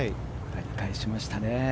やり返しましたね。